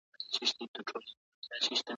افغان نارینه خپلواکي سیاسي پریکړي نه سي کولای.